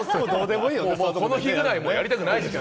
こんな日くらい、もうやりたくないですよ。